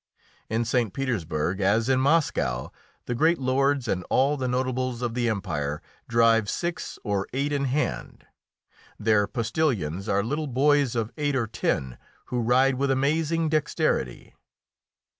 In St. Petersburg, as in Moscow, the great lords and all the notables of the empire drive six or eight in hand; their postilions are little boys of eight or ten, who ride with amazing dexterity.